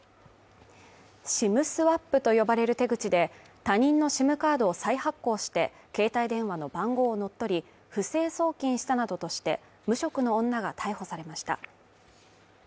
ＳＩＭスワップと呼ばれる手口で、他人のＳＩＭカードを再発行して、携帯電話の番号を乗っ取り、不正送金したなどとして無職の女が逮捕されました。